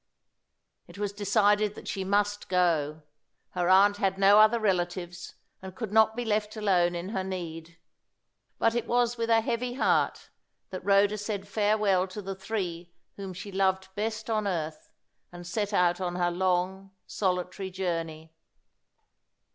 It was decided that she must go. Her aunt had no other relatives, and could not be left alone in her need. But it was with a heavy heart that Rhoda said farewell to the three whom she loved best on earth, and set out on her long, solitary journey.